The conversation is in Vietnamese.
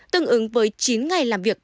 tương ứng với chín ngày làm việc